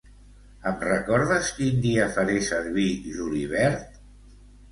Em recordes quin dia faré servir julivert?